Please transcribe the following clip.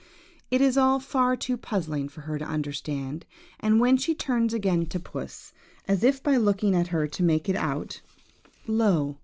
It is all far too puzzling for her to understand, and when she turns again to puss–as if by looking at her to make it out–lo!